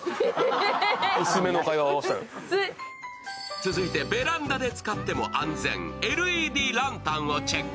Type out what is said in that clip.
続いてベランダで使っても安全、ＬＥＤランタンをチェック。